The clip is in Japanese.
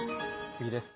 次です。